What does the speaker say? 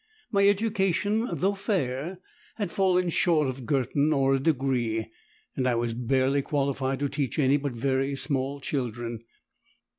My education though fair had fallen short of Girton or a degree, and I was barely qualified to teach any but very small children.